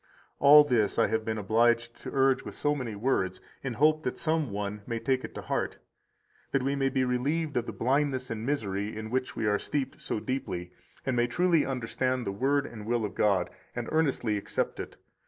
157 All this I have been obliged to urge with so many words, in hope that some one may take it to heart, that we may be relieved of the blindness and misery in which we are steeped so deeply, and may truly understand the Word and will of God, and earnestly accept it.